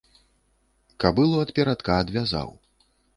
Кабылу ад перадка адвязаў.